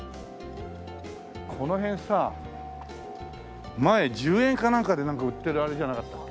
この辺さ前１０円かなんかでなんか売ってるあれじゃなかったっけ？